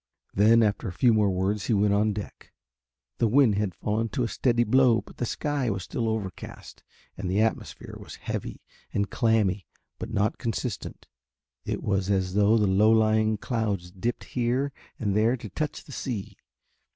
Then after a few more words he went on deck. The wind had fallen to a steady blow but the sky was still overcast and the atmosphere was heavy and clammy and not consistent. It was as though the low lying clouds dipped here and there to touch the sea.